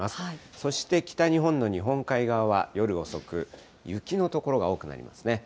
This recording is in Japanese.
そして北日本の日本海側は夜遅く、雪の所が多くなりますね。